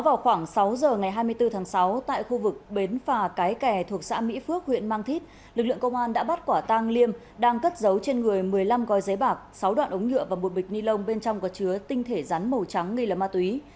trong một bến phà cái kè thuộc xã mỹ phước huyện mang thít lực lượng công an đã bắt quả tang liêm đang cất giấu trên người một mươi năm coi giấy bạc sáu đoạn ống nhựa và một bịch ni lông bên trong có chứa tinh thể rắn màu trắng ghi là ma túy